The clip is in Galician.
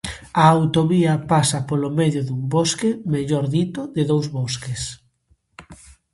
A autovía pasa polo medio dun bosque, mellor dito, de dous bosques.